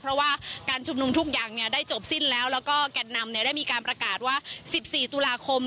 เพราะว่าการชุมนุมทุกอย่างได้จบสิ้นแล้วแล้วก็แก่นนำได้มีการประกาศว่า๑๔ตุลาคม